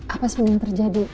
apa sebenarnya yang terjadi